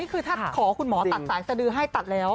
คือถ้าขอคุณหมอตัดสายสดือให้ตัดแล้ว